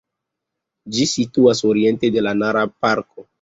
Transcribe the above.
Ĝi situas oriente de la Nara-parko.